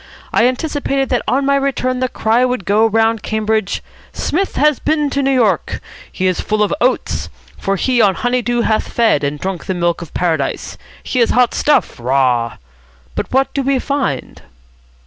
I anticipated that on my return the cry would go round Cambridge, 'Psmith has been to New York. He is full of oats. For he on honey dew hath fed, and drunk the milk of Paradise. He is hot stuff. Rah!' But what do we find?"